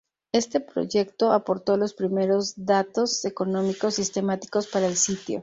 Este proyecto aportó los primeros datos económicos sistemáticos para el sitio.